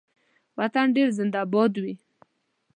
وطن دې زنده باد وي